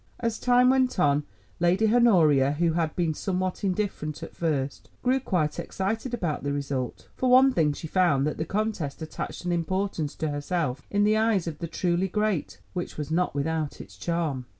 As time went on Lady Honoria, who had been somewhat indifferent at first, grew quite excited about the result. For one thing she found that the contest attached an importance to herself in the eyes of the truly great, which was not without its charm.